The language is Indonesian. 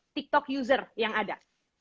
tiktok user yang ada